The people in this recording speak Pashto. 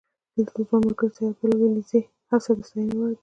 دلته د ځوان ملګري سید عبدالله ولیزي هڅه د ستاینې ده.